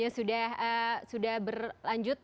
pak gubernurnya sudah berlanjut